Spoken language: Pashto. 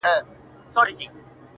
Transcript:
هغه وايي يو درد مي د وزير پر مخ گنډلی،